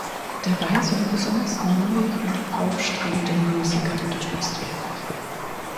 Dabei sollen besonders neue und aufstrebende Musiker unterstützt werden.